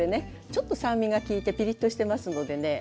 ちょっと酸味が利いてピリッとしてますのでね